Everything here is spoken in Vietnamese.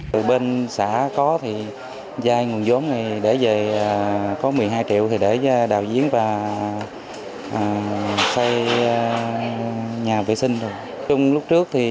từ bên xã có thì dai nguồn vốn này để về có một mươi hai triệu thì để cho đạo diễn và xây nhà vệ sinh rồi